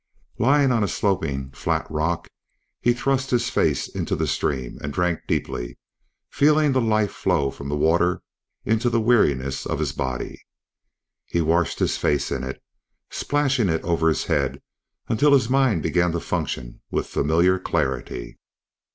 Lying on a sloping, flat rock he thrust his face into the stream and drank deeply, feeling the life flow from the water into the weariness of his body. He washed his face in it, splashing it over his head until his mind began to function with familiar clarity.